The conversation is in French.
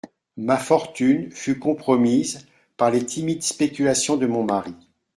Ma fortune fut compromise par les timides spéculations de mon mari.